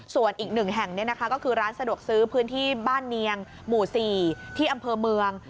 ส่วนอีกหนึ่งแห่งเนี่ยนะคะก็คือร้านสะดวกซื้อพื้นที่บ้านเนียงหมู่สี่ที่อำเภอเมือง